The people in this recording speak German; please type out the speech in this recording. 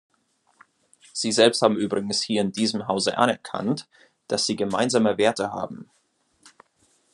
Sie selbst haben übrigens hier in diesem Hause anerkannt, dass Sie gemeinsame Werte haben.